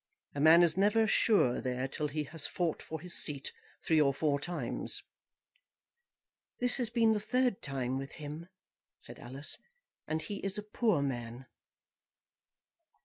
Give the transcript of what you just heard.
A man is never sure there till he has fought for his seat three or four times." "This has been the third time with him," said Alice, "and he is a poor man."